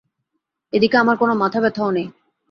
এ নিয়ে আমার কোনো মাথাব্যথাও নেই।